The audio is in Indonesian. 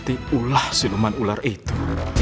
walaulah siluman ular itu